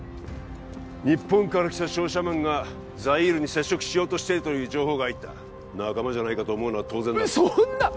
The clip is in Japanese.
日本から来た商社マンがザイールに接触しようとしているという情報が入った仲間じゃないかと思うのは当然だそんな！